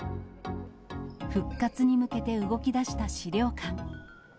復活に向けて動きだした資料館。